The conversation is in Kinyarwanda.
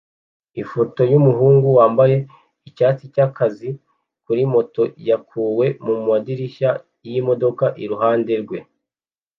Ifoto yumugabo wambaye icyatsi cyakazi kuri moto yakuwe mumadirishya yimodoka iruhande rwe